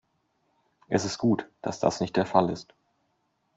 Es ist gut, dass das nicht der Fall ist.